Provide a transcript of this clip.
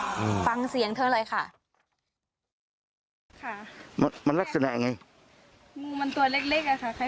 อืมฟังเสียงเธอเลยค่ะค่ะมันมันลักษณะยังไงงูมันตัวเล็กเล็กอ่ะค่ะ